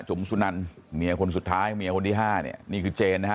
จุ๋มสุนันเมียคนสุดท้ายเมียคนที่ห้าเนี่ยนี่คือเจนนะฮะ